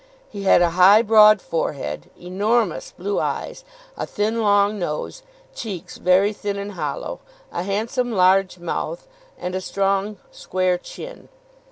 He had a high, broad forehead, enormous blue eyes, a thin, long nose, cheeks very thin and hollow, a handsome large mouth, and a strong square chin.